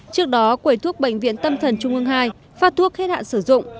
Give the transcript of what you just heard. trước đó quầy thuốc bệnh viện tâm thần trung ương ii phát thuốc hết hạn sử dụng